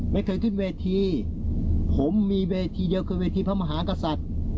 ไม่เคยขึ้นเวทีผมมีเวทีเดียวคือเวทีพระมหากษัตริย์